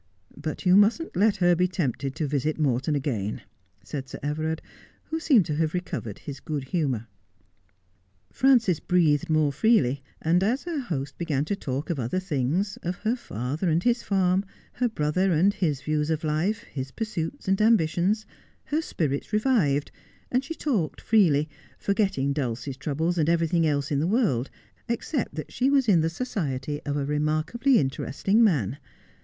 But you mustn't let her be tempted to visit Morton again,' said Sir Everard, who seemed to have recovered his good humour. Frances breathed more freely, and as her host began to talk of other things, of her father and his farm, her brother, and his views of life, his pursuits and ambitions, her spirits revived, and she talked freely, forgetting Dulcie's troubles and everything else in the world except that she was in the society of a remark ably interesting man.